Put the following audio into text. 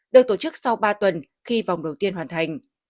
được tổ chức sau ba tuần khi vòng đầu tiên hoàn thành